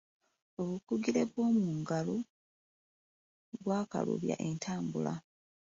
Obukugire bw'omuggalo bwakalubya entambula.